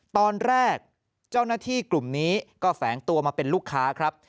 ตอนแรกเจ้าหน้าที่กลุ่มนี้ก็แฝงตัวมาเป็นลูกค้าครับ